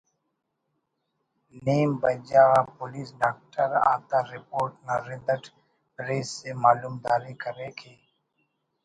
نیم بجہ غا police doctor آتا رپورٹ نا رد اٹ پریس ءِ معلومدار کرے کہ